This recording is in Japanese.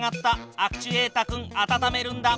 アクチュエータ君温めるんだ。